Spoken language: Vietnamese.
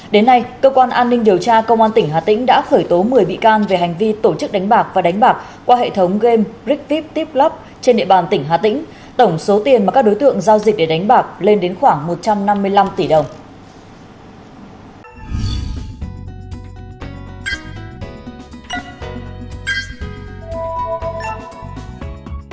đến nay cơ quan an ninh điều tra công an tỉnh hà tĩnh đã khởi tố một mươi bị can về hành vi tổ chức đánh bạc và đánh bạc qua hệ thống game redvip tiplab trên địa bàn tỉnh hà tĩnh tổng số tiền mà các đối tượng giao dịch để đánh bạc lên đến khoảng một trăm năm mươi năm tỷ đồng